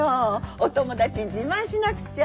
お友達に自慢しなくちゃ。